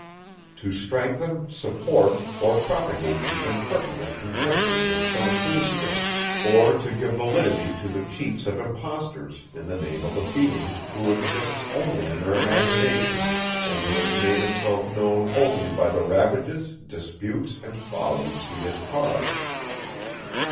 To strengthen, support, or propagate the impertinent conjectures of some enthusiasts, or to give validity to the cheats of impostors, in the name of a being, who exists only in their imagination, and who has made himself known only by the ravages, disputes, and follies, he has caused.